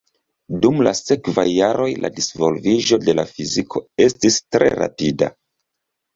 Dum la sekvaj jaroj la disvolviĝo de la fiziko estis tre rapida.